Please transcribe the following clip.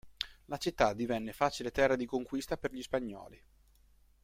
La città divenne facile terra di conquista per gli spagnoli.